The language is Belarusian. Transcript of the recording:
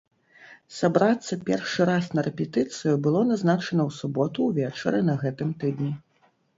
Сабрацца першы раз на рэпетыцыю было назначана ў суботу ўвечары на гэтым тыдні.